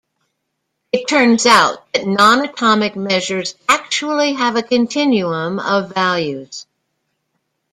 It turns out that non-atomic measures actually have a continuum of values.